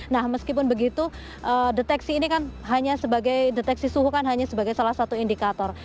nah meskipun begitu deteksi ini kan hanya sebagai deteksi suhu kan hanya sebagai salah satu indikator